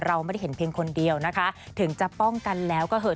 เราไม่ได้เห็นเพียงคนเดียวนะคะถึงจะป้องกันแล้วก็เหอะ